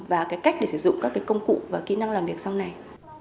và cái cách để sử dụng các công cụ và kỹ năng làm việc sau này